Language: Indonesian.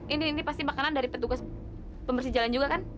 ini pasti makanan dari petugas pembersih jalan juga kan